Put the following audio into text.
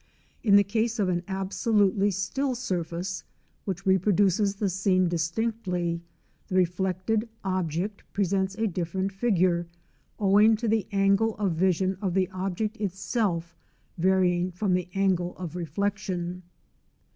In the case of an absolutely still surface, which reproduces the scene distinctly, the reflected object presents a different figure, owing to the angle of vision of the object itself varying from the angle of reflection.